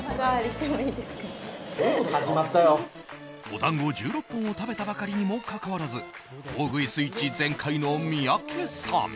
お団子１６本を食べたばかりにもかかわらず大食いスイッチ全開の三宅さん。